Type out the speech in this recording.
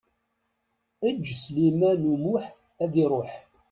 Eǧǧ Sliman U Muḥ ad iṛuḥ.